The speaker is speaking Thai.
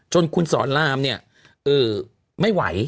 จนคุณสอนรามไม่ไหว